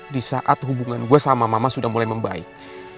di saat hubungan gue sama mama sudah mulai membaik